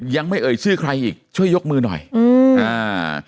ยังไม่เอ่ยชื่อใครอีกช่วยยกมือหน่อยอืมอ่า